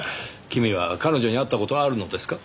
君は彼女に会った事はあるのですか？